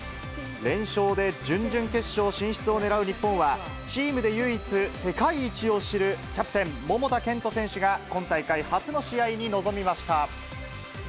連勝で準々決勝進出を狙う日本は、チームで唯一、世界一を知るキャプテン、桃田賢斗選手が、今大会初の試合に臨みました。